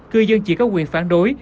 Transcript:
cư dân chỉ có quyền phản đối